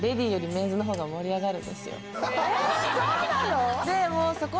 えそうなの？